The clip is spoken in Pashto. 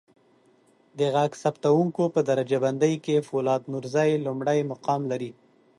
د ږغ ثبتکوونکو په درجه بندی کې فولاد نورزی لمړی مقام لري.